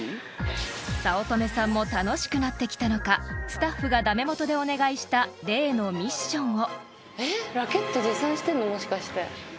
［早乙女さんも楽しくなってきたのかスタッフが駄目もとでお願いした例のミッションを］